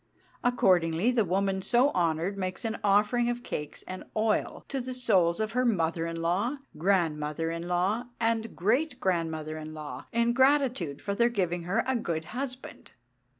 Accordingly the woman so honoured makes an offering of cakes and oil to the souls of her mother in law, grandmother in law, and great grandmother in law, in gratitude for their giving her a good husband.